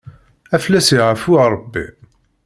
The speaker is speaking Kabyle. Ad fell-as yeɛfu Ṛebbi.